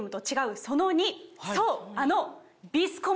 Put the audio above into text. そうあの。